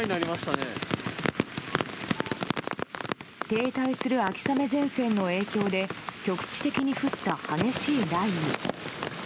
停滞する秋雨前線の影響で局地的に降った激しい雷雨。